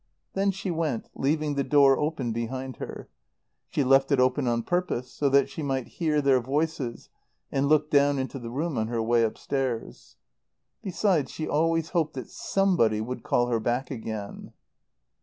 Then she went, leaving the door open behind her. She left it open on purpose, so that she might hear their voices, and look down into the room on her way upstairs. Besides, she always hoped that somebody would call her back again.